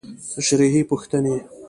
تشريحي پوښتنې: